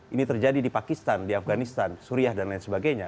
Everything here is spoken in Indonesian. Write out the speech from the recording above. ini terjadi di pakistan di afganistan suriah dan lain sebagainya